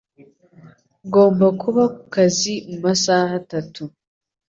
Ngomba kuba ku kazi mu masaha atatu.